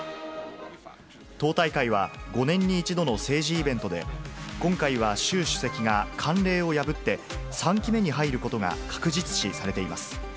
党大会は、５年に１度の政治イベントで、今回は習主席が慣例を破って、３期目に入ることが確実視されています。